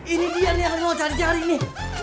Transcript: ini dia nih yang mau cari cari nih